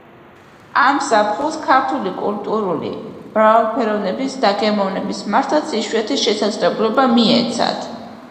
ამ ზაფხულს ქართული კულტურული მრავალფეროვნების „დაგემოვნების“ მართლაც იშვიათი შესაძლებლობა მიეცათ.